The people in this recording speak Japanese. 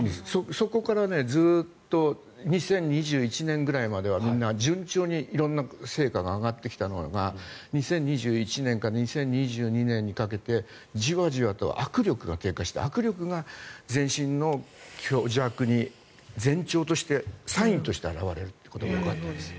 そこからずっと２０２１年ぐらいまではみんな順調に色んな成果が上がってきたのが２０２１年から２０２２年にかけてじわじわと握力が低下して握力が全身の虚弱に前兆としてサインとして現れることがわかったんです。